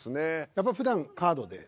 やっぱりふだんカードで？